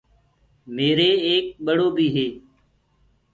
ميري ايڪ ٻڙو بيٚ هي۔